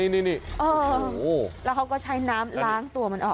นี่แล้วเขาก็ใช้น้ำล้างตัวมันออก